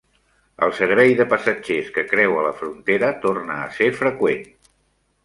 El servei de passatgers que creua la frontera torna a ser freqüent.